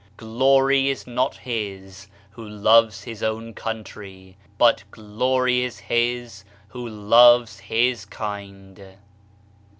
Glory is not his who loves his own country, but glory is his who loves his kind."